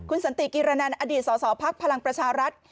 คุณสันติกิรนันทร์อดีตส่อพักพลังประชารัฐ